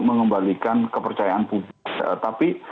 mengembalikan kepercayaan publik tapi